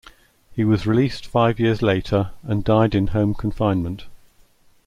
He was released five years later and died in home confinement.